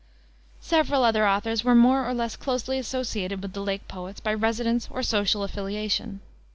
Several other authors were more or less closely associated with the Lake Poets by residence or social affiliation.